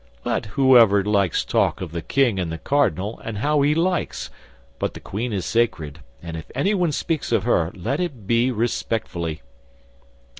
Let whoever likes talk of the king and the cardinal, and how he likes; but the queen is sacred, and if anyone speaks of her, let it be respectfully."